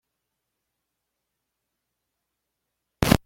Chapman and Hall".